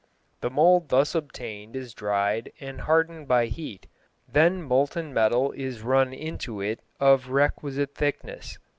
The mould thus obtained is dried and hardened by heat, then molten metal is run into it of requisite thickness.